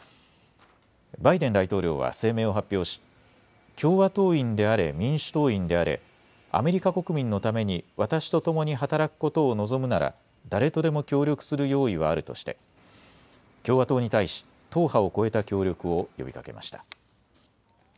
バイデン大統領は声明を発表し共和党員であれ、民主党員であれ、アメリカ国民のために私とともに働くことを望むなら誰とでも協力する用意はあるとして共和党に対し党派を超えた協力を呼びかけました。